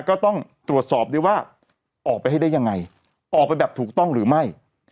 ก็ต้องตรวจสอบด้วยว่าออกไปให้ได้ยังไงออกไปแบบถูกต้องหรือไม่